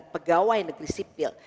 pegawai negeri sipil